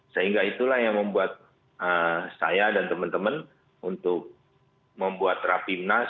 sehingga itulah yang membuat saya dan teman teman untuk membuat rapimnas